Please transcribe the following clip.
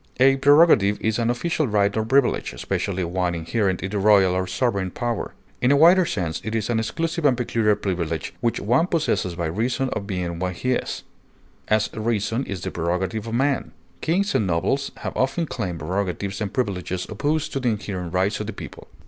A prerogative is an official right or privilege, especially one inherent in the royal or sovereign power; in a wider sense it is an exclusive and peculiar privilege which one possesses by reason of being what he is; as, reason is the prerogative of man; kings and nobles have often claimed prerogatives and privileges opposed to the inherent rights of the people.